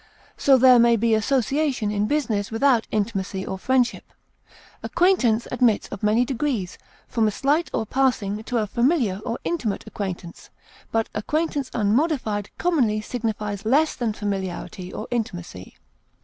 So there may be association in business without intimacy or friendship. Acquaintance admits of many degrees, from a slight or passing to a familiar or intimate acquaintance; but acquaintance unmodified commonly signifies less than familiarity or intimacy.